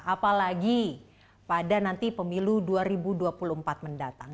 apalagi pada nanti pemilu dua ribu dua puluh empat mendatang